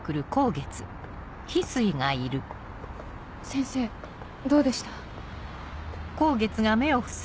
先生どうでした？